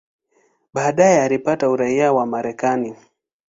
Baadaye alipata uraia wa Marekani.